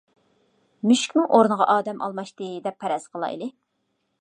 مۈشۈكنىڭ ئورنىغا ئادەم ئالماشتى دەپ پەرەز قىلايلى.